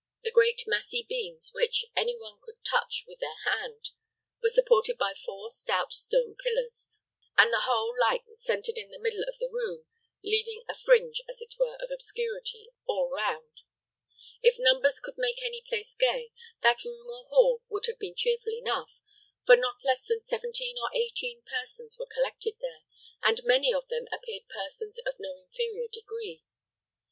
The great massy beams which, any one could touch with their hand, were supported by four stout stone pillars, and the whole light centered in the middle of the room, leaving a fringe, as it were, of obscurity all round. If numbers could make any place gay, that room or hall would have been cheerful enough; for not less than seventeen or eighteen persons were collected there, and many of them appeared persons of no inferior degree.